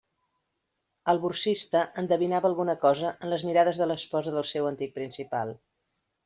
El borsista endevinava alguna cosa en les mirades de l'esposa del seu antic principal.